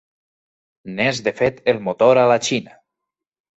N'és de fet el motor a la Xina.